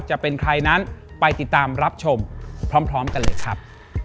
จะเป็นใครนั้นไปติดตามรับชมพร้อมกันเลยครับ